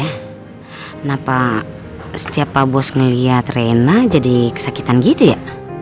kenapa setiap pak bos ngeliat rena jadi kesakitan gitu ya